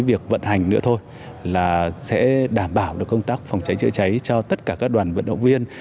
điều này sẽ đảm bảo công tác phòng cháy chữa cháy cho tất cả các đoàn vận động viên